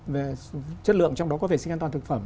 về chất lượng trong đó có vệ sinh an toàn thực phẩm